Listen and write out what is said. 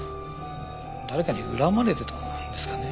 誰かに恨まれてたんですかね？